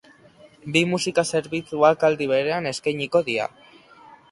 Bi musika zerbitzuak aldi berean eskainiko dira.